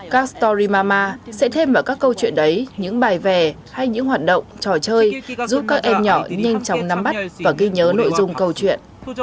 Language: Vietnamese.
castorimama sẽ thêm vào các câu chuyện đấy những bài về hay những hoạt động trò chơi giúp các em nhỏ nhanh chóng nắm bắt và ghi nhớ nội dung câu chuyện